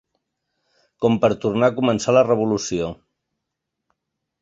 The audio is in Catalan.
Com per tornar a començar la revolució.